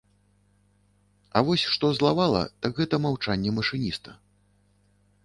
Але вось што злавала, так гэта маўчанне машыніста.